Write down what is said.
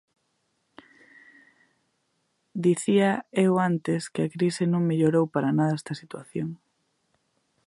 Dicía eu antes que a crise non mellorou para nada esta situación.